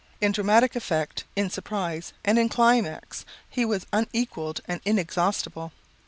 "In dramatic effect, in surprise, and in climax he was unequaled and inexhaustible.